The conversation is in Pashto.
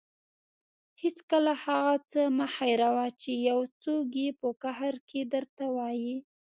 هېڅکله هغه څه مه هېروه چې یو څوک یې په قهر کې درته وايي.